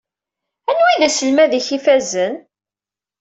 Anwa i d aselmad-ik ifazen?